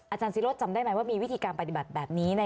อาจารย์ศิโรธจำได้ไหมว่ามีวิธีการปฏิบัติแบบนี้